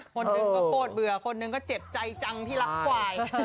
คนหนึ่งก็โปรดเบื่อคนหนึ่งก็เจ็บใจจังที่รักควาย